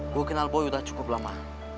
gue kenal boy udah cukup lama